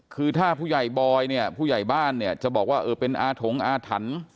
คือถ้าผู้ใหญ่บอยเนี่ยผู้ใหญ่บ้านเนี่ยจะบอกว่าเออเป็นอาถงอาถรรพ์